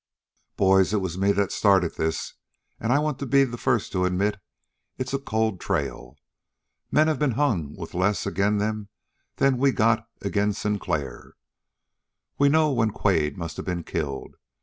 "Boys, it was me that started this, and I want to be the first to admit it's a cold trail. Men has been hung with less agin' them than we got agin' Sinclair. We know when Quade must have been killed.